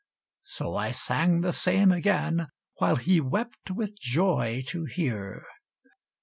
So I sang the same again, While he wept with joy to hear.